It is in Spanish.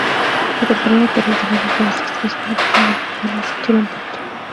La temporada para el italiano fue desastrosa, no pudiendo obtener ni siquiera un punto.